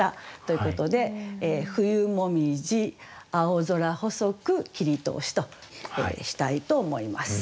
ということで「冬紅葉あをぞら細く切通し」としたいと思います。